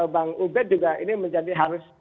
bang ubed juga ini menjadi harus